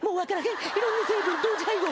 いろんな成分同時配合。